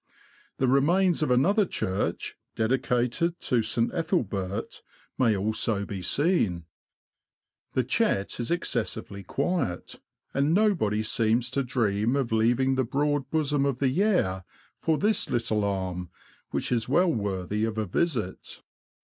The remains of another church, dedicated to St. Ethel bert, may also be seen. 54 THE LAND OF THE BROADS. The Chet is excessively quiet, and nobody seems to dream of leaving the broad bosom of the Yare for this little arm, v^hich is well worthy of a visit.